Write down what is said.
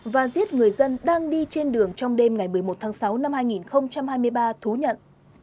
và giết người dân đang đi trên đường trong đêm ngày một mươi một tháng sáu năm hai nghìn hai mươi ba thú nhận